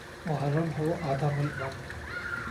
محرم ہو آدھا ملک بند۔